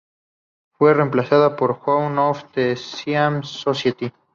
Fue reemplazada por "Journal of the Siam Society.